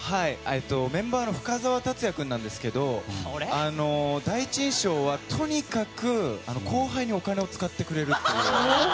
メンバーの深澤辰哉君ですけど第一印象はとにかく後輩にお金を使ってくれるという。